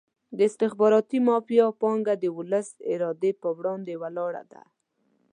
د استخباراتي مافیا پانګه د ولس ارادې په وړاندې ولاړه ده.